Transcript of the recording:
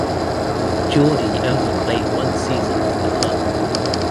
Jordi only played one season for the club.